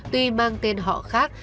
tuy mang tên họ khác